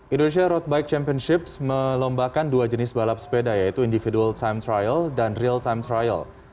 indonesia road bike championships melombakan dua jenis balap sepeda yaitu individual time trial dan real time trial